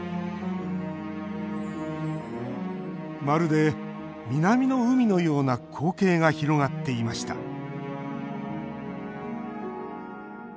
まるで南の海のような光景が広がっていました。